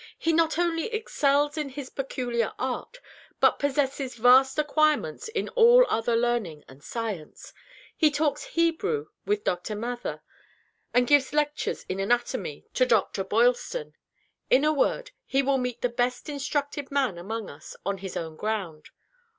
"He not only excels in his peculiar art, but possesses vast acquirements in all other learning and science. He talks Hebrew with Dr. Mather, and gives lectures in anatomy to Dr. Boylston. In a word, he will meet the best instructed man among us, on his own ground.